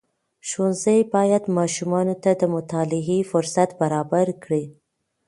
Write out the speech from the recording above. ښوونځي باید ماشومانو ته د مطالعې فرصت برابر کړي.